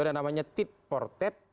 ada namanya tit for tet